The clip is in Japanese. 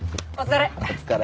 お疲れ。